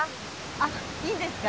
あっいいんですか？